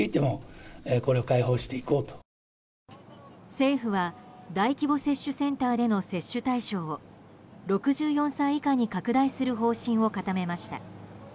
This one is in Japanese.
政府は大規模接種センターでの接種対象を６４歳以下に拡大する方針を固めました。